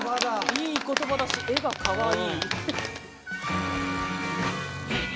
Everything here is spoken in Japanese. いい言葉だし絵がかわいい。